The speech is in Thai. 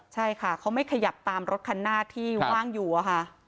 ใช่ค่ะเขาไม่ขยับตามรถคันหน้าที่ว่างอยู่อะค่ะ